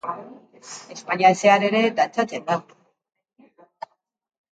Espainian zehar ere dantzatzen da.